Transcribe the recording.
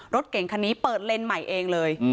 รถเก่งคันนี้เปิดเลนส์ใหม่เองเลย